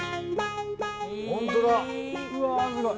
ホントだ。